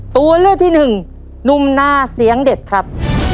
ตัวเลือกที่หนึ่งนุ่มหน้าเสียงเด็ดครับ